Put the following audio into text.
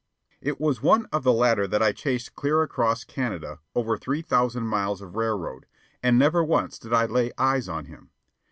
It was one of the latter that I chased clear across Canada over three thousand miles of railroad, and never once did I lay eyes on him.